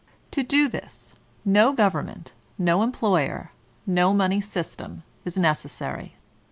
To do this no government, no empkqrtr, no money system is necessary.